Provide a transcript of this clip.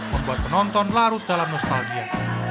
membuat penonton larut dalam nostalgia